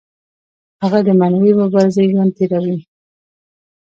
هغه د معنوي مبارزې ژوند تیروي.